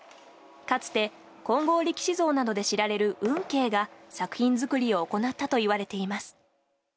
かつて金剛力士像などで知られる運慶が作品作りを行ったといわれています。